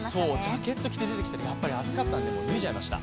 ジャケット着て出てきたらやっぱり暑かったので、脱いじゃいました。